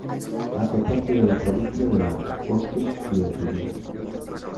Hace parte de la Provincia del Agua, Bosques y El Turismo.